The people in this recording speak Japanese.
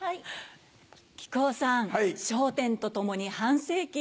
木久扇さん『笑点』と共に半世紀。